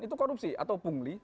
itu korupsi atau pungli